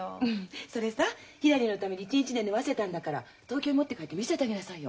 それさひらりのために一日で縫わせたんだから東京へ持って帰って見せたげなさいよ。